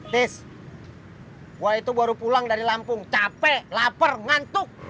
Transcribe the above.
tis wah itu baru pulang dari lampung capek lapar ngantuk